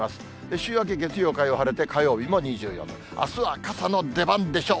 週明け月曜、火曜晴れて、火曜日も２４度、あすは傘の出番でしょう。